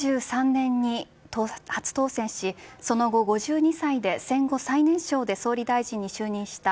９３年に初当選しその後、５２歳で戦後最年少で総理大臣に就任した。